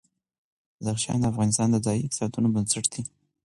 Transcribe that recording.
بدخشان د افغانستان د ځایي اقتصادونو بنسټ دی.